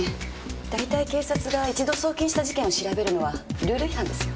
大体警察が一度送検した事件を調べるのはルール違反ですよ。